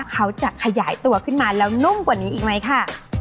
เขาจะขยายตัวขึ้นมาแล้วนุ่มกว่านี้อีกไหมค่ะ